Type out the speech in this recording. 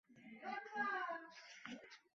স্কেচবুকে নানান ধরনের কমেন্টস লেখা আছে।